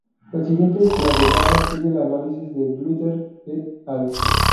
El siguiente cladograma sigue el análisis de Butler "et al.